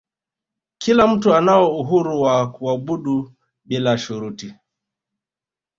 kila mtu anao uhuru wa kuabudu bila shuruti